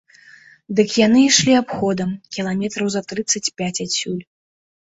Дык яны ішлі абходам, кіламетраў за трыццаць пяць адсюль.